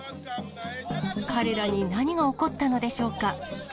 彼らに何が起こったのでしょうか。